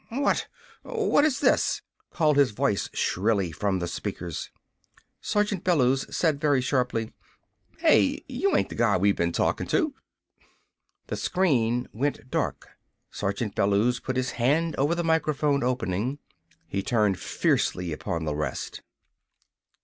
"What what is this?" cried his voice shrilly from the speakers. Sergeant Bellews said very sharply: "Hey! You ain't the guy we've been talking to!" The screen went dark. Sergeant Bellews put his hand over the microphone opening. He turned fiercely upon the rest.